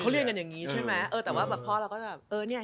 เขาเรียนกันอย่างนี้ใช่ไหมแต่ว่าพอเราก็จะแบบ